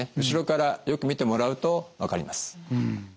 後ろからよく見てもらうと分かります。